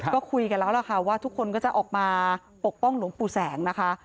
ก็คุยกันแล้วล่ะค่ะว่าทุกคนก็จะออกมาปกป้องหลวงปู่แสงนะคะ